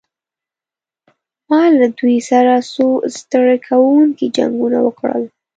ما له دوی سره څو ستړي کوونکي جنګونه وکړل.